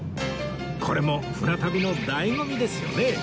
これも船旅の醍醐味ですよね